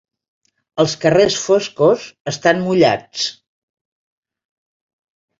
Els carrers foscos estan mullats.